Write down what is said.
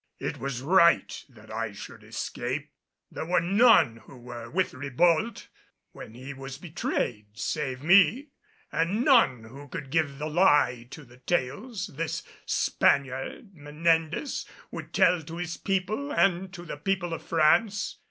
It was right that I should escape. There were none who were with Ribault when he was betrayed save me, and none who could give the lie to the tales this Spaniard Menendez would tell to his people and to the people of France.